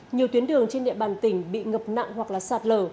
nhiều tuyến đường trên địa bàn tỉnh bị ngập nặng hoặc sạt lở